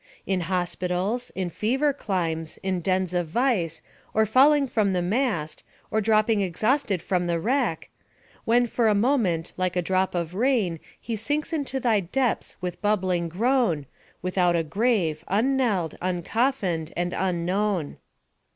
In hospitals, in fever climes, in dens of vice, or falling from the mast, or dropping exhausted from the wreck, "When for a moment, like a drop of rain, He sinks into thy depths with bubbling groan, Without a grave, unknelled, uncoffined, and unknown."